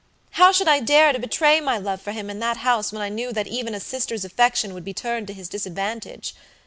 How should I dare to betray my love for him in that house when I knew that even a sister's affection would be turned to his disadvantage?